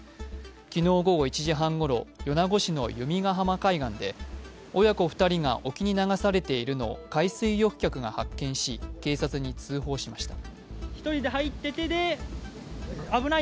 昨日午後１時半ごろ、米子市の弓ヶ浜海岸で親子２人が沖に流されているのを海水浴客が発見し警察に通報しました。